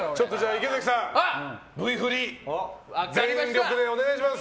池崎さん、Ｖふり全力でお願いします。